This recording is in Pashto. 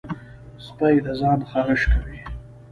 سپي د ځان خارش کوي.